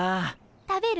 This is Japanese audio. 食べる？